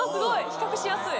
比較しやすい。